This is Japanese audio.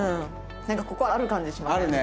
なんかここはある感じしますね。